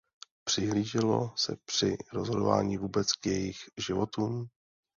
Přihlíželo se při rozhodování vůbec k jejich životům?